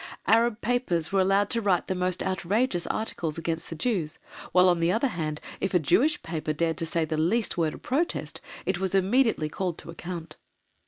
Arab papers were allowed to write the most outrageous articles against the Jews, while on the other hand, if a Jewish paper dared to say the least word of protest, it was immediately called to account.